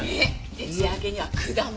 徹夜明けには果物。